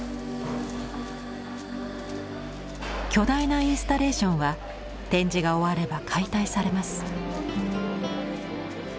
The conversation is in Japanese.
巨大なインスタレーションは展示が終われば解体されます。